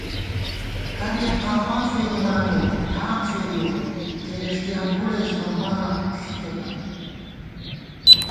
کریَک آماں فېدِمانېؤ ٹھان فېدِوَہ کېلېݭٹی انگُڑے سُرمان ݪِکےپت